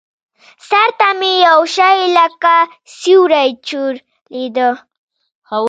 سر ته مې يو شى لکه سيورى چورلېده.